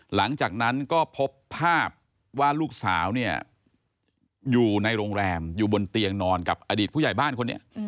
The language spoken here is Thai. หลังจากนั้นก็พบภาพว่าลูกสาวเนี่ยอยู่ในโรงแรมอยู่บนเตียงนอนกับอดีตผู้ใหญ่บ้านคนนี้